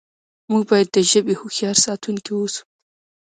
موږ باید د ژبې هوښیار ساتونکي اوسو.